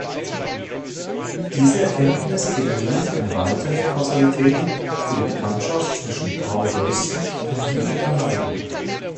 Diese Erkenntnis generiert eine weitere Kausalität für die Bekanntschaft zwischen Paul Deussen und Vivekananda.